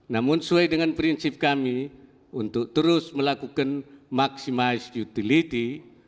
namun sesuai dengan prinsip kami untuk terus melakukan maximize utility